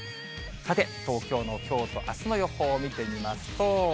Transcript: さて、東京のきょうとあすの予報を見てみますと。